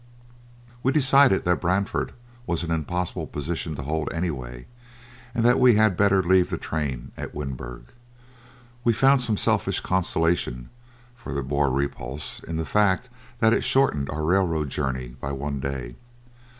We decided that Brandfort was an impossible position to hold anyway, and that we had better leave the train at Winburg. We found some selfish consolation for the Boer repulse, in the fact that it shortened our railroad journey by one day.